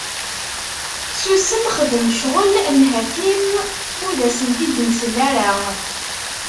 Susem xdem cɣel nhati-m ur d asent-id-nessel ara.